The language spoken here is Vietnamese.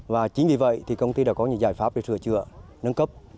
và chính vì vậy thì công ty đã có những giải pháp để sửa chữa nâng cấp